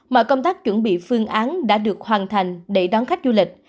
mọi công tác chuẩn bị phương án đã được hoàn thành để đón khách du lịch